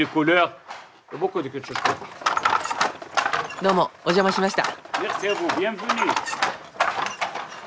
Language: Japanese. どうもお邪魔しました。